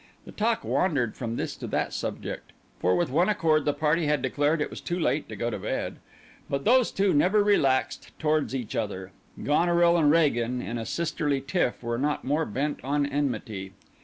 The talk wandered from this to that subject—for with one accord the party had declared it was too late to go to bed; but those two never relaxed towards each other; Goneril and Regan in a sisterly tiff were not more bent on enmity.